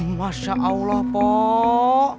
masya allah pok